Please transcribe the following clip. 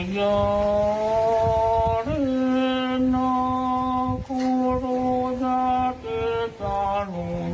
ยาลีนาคุโรยาติตานุนา